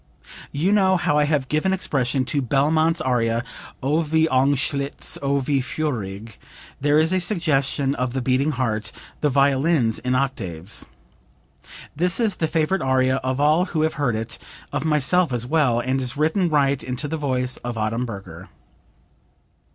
You know how I have given expression to Belmont's aria, 'O, wie angstlich, O wie feurig,' there is a suggestion of the beating heart, the violins in octaves. This is the favorite aria of all who have heard it, of myself, as well, and is written right into the voice of Adamberger.